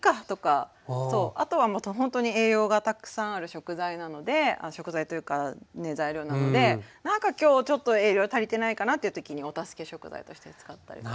あとはほんとに栄養がたくさんある食材なので食材というかね材料なのでなんか今日ちょっと栄養足りてないかなっていう時にお助け食材として使ったりとか。